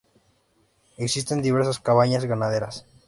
Existen diversas cabañas ganaderas.